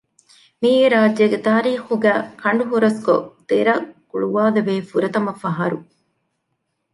މިއީ ރާއްޖޭގެ ތާރީޚުގައި ކަނޑު ހުރަސްކޮށް ދެރަށް ގުޅާލެވޭ ފުރަތަމަ ފަހަރު